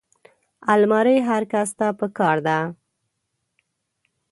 الماري هر کس ته پکار ده